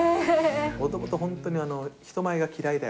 もともと本当に人前が嫌いで。